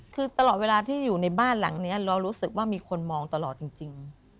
คือตลอดเวลาที่อยู่ในบ้านหลังนี้เรารู้สึกว่ามีคนมองตลอดจริง